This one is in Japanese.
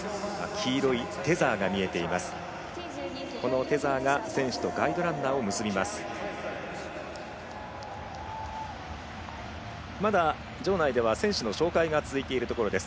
黄色いテザーが見えています。